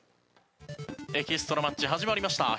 エキストラマッチ始まりました。